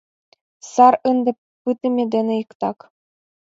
Сар ынде пытыме дене иктак.